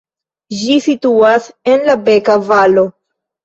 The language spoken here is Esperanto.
Ĝi situas en la Beka-valo.